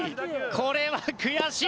これは悔しい！